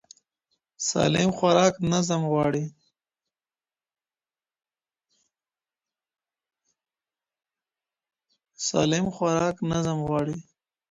سالم خوراک نظم غواړي.